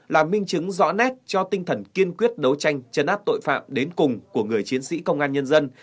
là minh chứng rõ nét cho tinh thần kiên quyết đấu tranh chấn áp tội phạm đến cùng của người chiến sĩ công an nhân dân